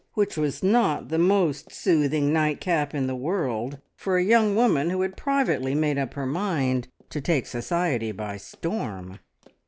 which was not the most soothing night cap in the world for a young woman who had privately made up her mind to take society by storm.